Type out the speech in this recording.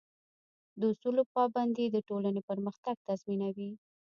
د اصولو پابندي د ټولنې پرمختګ تضمینوي.